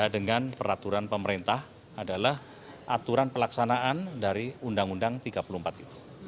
dengan peraturan pemerintah adalah aturan pelaksanaan dari undang undang tiga puluh empat itu